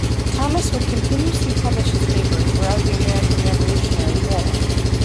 Thomas would continuously publish his paper throughout the American Revolutionary War.